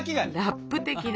ラップ的な。